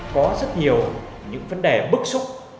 có rất nhiều những vấn đề bức xúc